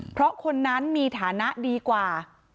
เพราะคนนั้นมีฐานะดีกว่า